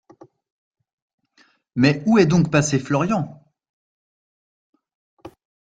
Mais où est donc passé Florian?